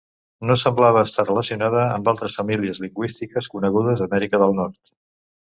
No semblava estar relacionada amb altres famílies lingüístiques conegudes a Amèrica del Nord.